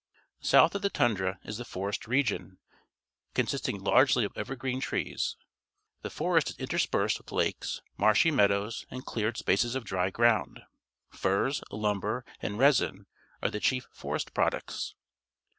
South of the tundra is the forest region, consisting largely of evergreen trees. The forest is interspersed with lakes, marshy meadows, and cleared spaces of dry ground. Furs, lumber, and resin are the chief forest pro ducts.